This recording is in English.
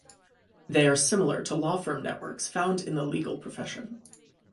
They are similar to law firm networks found in the legal profession.